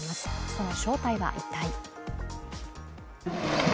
その正体は一体？